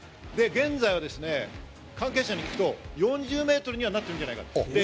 現在はですね、関係者に聞くと４０メートルになっているんじゃないかと。